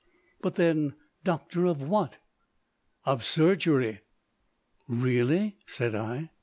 "But, then, doctors of what?" "Of surgery." "Really?" said I.